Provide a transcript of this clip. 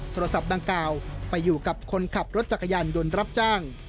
โทรศัพท์ดังกล่าวไปอยู่กับคนขับรถจักรยานยนต์รับจ้าง